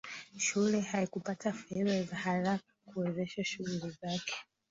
Shule haikupata fedha za haraka kuwezesha shughuli zake